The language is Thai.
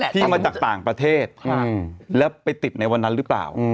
ที่มาจากต่างประเทศแล้วไปติดในวันนั้นหรือเปล่า